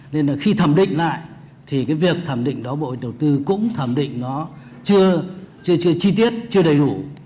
nên là khi thẩm định lại thì cái việc thẩm định đó bộ đầu tư cũng thẩm định nó chưa chi tiết chưa đầy đủ